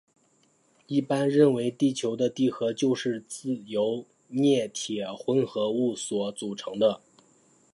一般认为地球的地核就是由镍铁混合物所组成的。